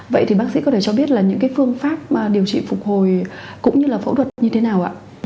vậy thì bác sĩ có thể cho biết là những cái phương pháp điều trị phục hồi cũng như là phẫu thuật như thế nào ạ